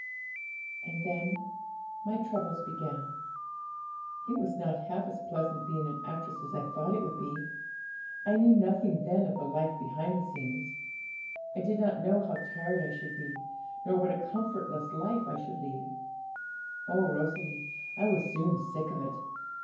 'And then my troubles began. It was not half as pleasant being an actress as I had thought it would be. I knew nothing then of the life behind the scenes. I did not know how tired I should be, nor what a comfortless life I should lead. 'Oh, Rosalie, I was soon sick of it.